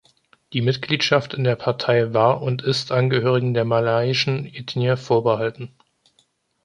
Die Mitgliedschaft in der Partei war und ist Angehörigen der malaiischen Ethnie vorbehalten.